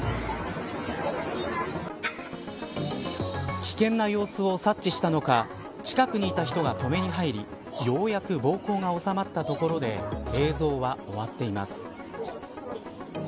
危険な様子を察知したのか近くにいた人が止めに入りようやく暴行が収まったところで映像は終わっています。